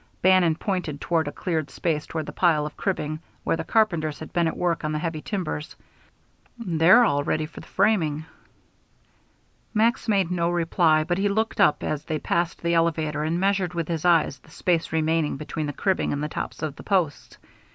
Bannon pointed toward a cleared space behind the pile of cribbing, where the carpenters had been at work on the heavy timbers. "They're all ready for the framing." Max made no reply, but he looked up as they passed the elevator and measured with his eyes the space remaining between the cribbing and the tops of the posts.